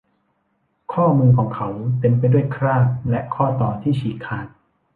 ข้อมือของเขาเต็มไปด้วยคราบและข้อต่อที่ฉีกขาด